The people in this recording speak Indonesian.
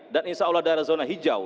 dan insya allah ada zona hijau